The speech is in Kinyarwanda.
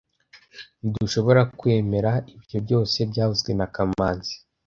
Ntidushobora kwemera ibyo byose byavuzwe na kamanzi